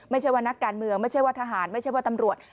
ไม่ใช่ว่านักการเมืองไม่ใช่ว่าทหารไม่ใช่ว่าตำรวจ